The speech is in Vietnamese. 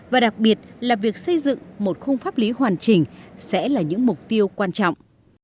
và đặc biệt là việc xây dựng một khung pháp lý hoàn chỉnh sẽ là những mục tiêu quan trọng